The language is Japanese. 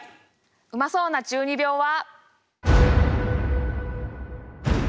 うまそうな中二病は。